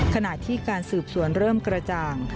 ขณะที่การสืบสวนเริ่มกระจ่าง